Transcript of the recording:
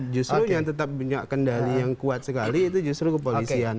justru yang tetap punya kendali yang kuat sekali itu justru kepolisian